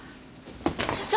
所長！